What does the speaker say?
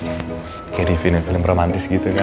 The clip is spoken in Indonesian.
kayak di film film berikutnya